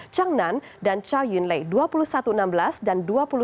chang nan dan chao yun lei dua puluh satu enam belas dan dua puluh satu lima belas